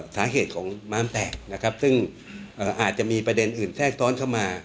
สาเหตุของม้ามแตกนะครับซึ่งอาจจะมีประเด็นอื่นแทรกซ้อนเข้ามา